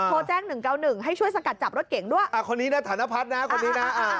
โทรแจ้ง๑๙๑ให้ช่วยสกัดจับรถเก่งด้วยอ่าคนนี้นะฐานพัฒน์นะคนนี้นะ